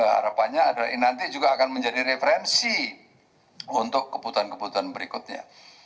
harapannya adalah ini nanti juga akan menjadi referensi untuk kebutuhan kebutuhan berikutnya